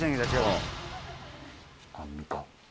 アンミカ。